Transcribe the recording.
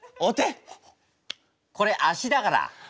これ足だから。